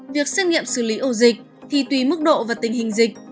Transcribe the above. việc xét nghiệm xử lý ổ dịch thì tùy mức độ và tình hình dịch